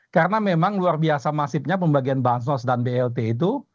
karena memang luar biasa masifnya pembagian bansos dan blt itu